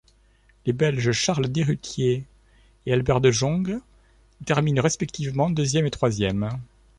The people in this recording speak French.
Les Belges Charles Deruyter et Albert Dejonghe terminent respectivement deuxième et troisième.